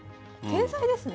天才ですね。